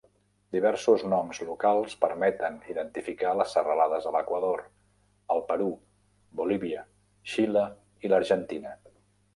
Diversos noms locals permeten identificar les serralades a l'Equador, el Perú, Bolívia, Xile i l'Argentina.